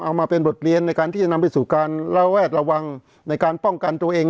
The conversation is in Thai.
เอามาเป็นบทเรียนในการที่จะนำไปสู่การระแวดระวังในการป้องกันตัวเอง